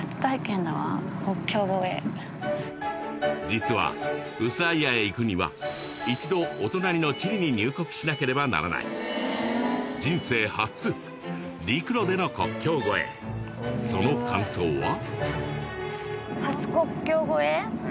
実はウスアイアへ行くには一度お隣のチリに入国しなければならない人生初陸路での国境越えその感想は？